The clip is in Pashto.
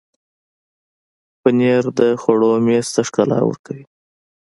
پنېر د خوړو میز ته ښکلا ورکوي.